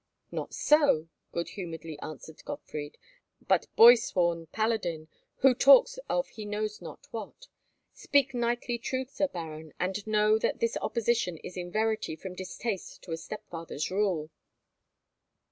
"Not so," good humouredly answered Gottfried, "but boy sworn paladin, who talks of he knows not what. Speak knightly truth, Sir Baron, and own that this opposition is in verity from distaste to a stepfather's rule."